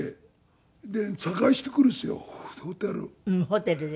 ホテルで。